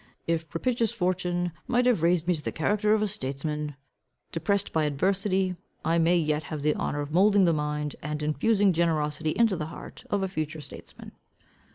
If propitious fortune might have raised me to the character of a statesman; depressed by adversity, I may yet have the honour of moulding the mind, and infusing generosity into the heart, of a future statesman.